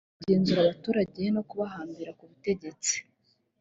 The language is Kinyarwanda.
ni uburyo kugenzura abaturage no kubahambira ku butegetsi